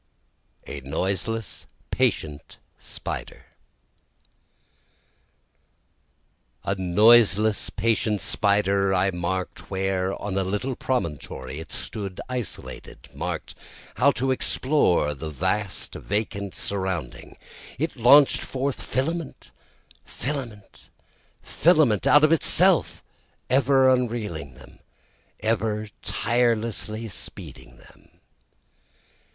A Noiseless Patient Spider A noiseless patient spider, I mark'd where on a little promontory it stood isolated, Mark'd how to explore the vacant vast surrounding, It launch'd forth filament, filament, filament out of itself, Ever unreeling them, ever tirelessly speeding them.